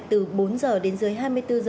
từ bốn h đến dưới hai mươi bốn h